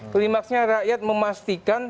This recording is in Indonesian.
klimaksnya rakyat memastikan